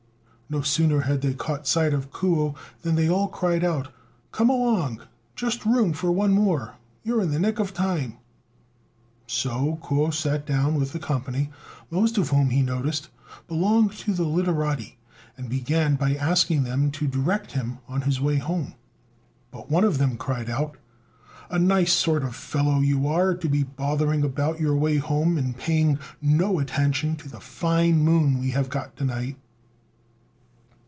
No sooner had they caught sight of Kuo than they all cried out, "Come along! just room for one more; you're in the nick of time." So Kuo sat down with the company, most of whom, he noticed, belonged to the literati, and began by asking them to direct him on his way home; but one of them cried out, "A nice sort of fellow you are, to be bothering about your way home, and paying no attention to the fine moon we have got to night."